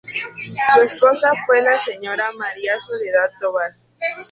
Su esposa fue la señora María Soledad Tovar.